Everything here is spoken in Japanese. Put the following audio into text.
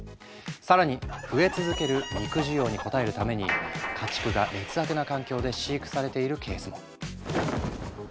更に増え続ける肉需要に応えるために家畜が劣悪な環境で飼育されているケースも。